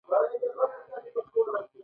سیاسي او اقتصادي اهداف پکې شامل دي.